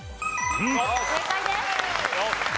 正解です。